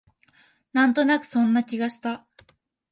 なんとなくそんな気がした